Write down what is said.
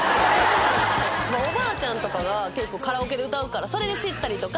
おばあちゃんとかが結構カラオケで歌うからそれで知ったりとか。